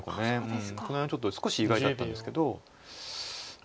この辺ちょっと少し意外だったんですけど。